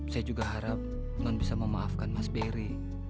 saya juga harap non bisa memaafkan mas berry